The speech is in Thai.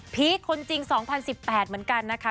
คนจริง๒๐๑๘เหมือนกันนะคะ